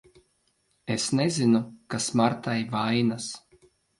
Es nezinu, kas Martai vainas.